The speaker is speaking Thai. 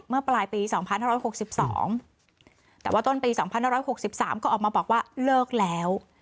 เมื่อปลายปี๒๕๖๒แต่ว่าต้นปี๒๕๖๓ก็ออกมาบอกว่าเลิกแล้ว